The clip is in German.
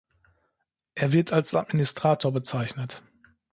Er wird als Administrator bezeichnet.